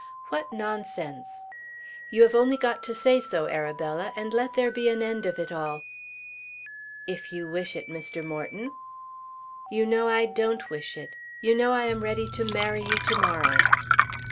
"What nonsense!" "You have only got to say so, Arabella, and let there be an end of it all." "If you wish it, Mr. Morton." "You know I don't wish it. You know I am ready to marry you to morrow."